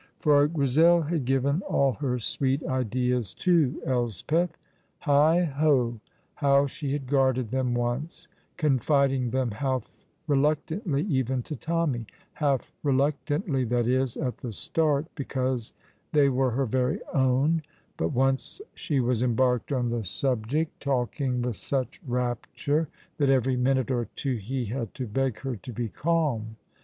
For Grizel had given all her sweet ideas to Elspeth. Heigh ho! how she had guarded them once, confiding them half reluctantly even to Tommy; half reluctantly, that is, at the start, because they were her very own, but once she was embarked on the subject talking with such rapture that every minute or two he had to beg her to be calm.